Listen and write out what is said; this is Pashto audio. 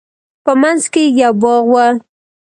په منځ کښې يې يو باغ و.